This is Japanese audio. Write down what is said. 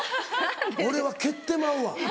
俺は蹴ってまうわ。